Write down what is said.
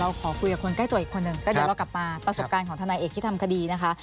พาทนัยเอกซึ่งเราออกกลับมาประสบการณ์ของทนัยเอกที่ทำคดีนะคะ